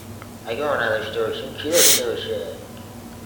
اگه ما نداشته باشیم کی داشته باشه؟